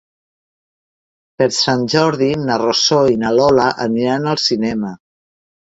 Per Sant Jordi na Rosó i na Lola aniran al cinema.